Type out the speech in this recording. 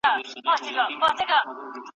څه شی د شواهدو اعتبار ثابتوي؟